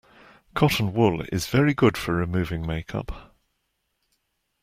Cotton wool is very good for removing make-up